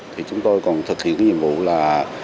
thì chúng tôi còn thực hiện cái nhiệm vụ là